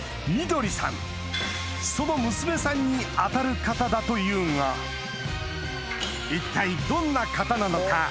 翠さんその娘さんに当たる方だというが一体どんな方なのか？